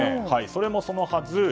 それもそのはず。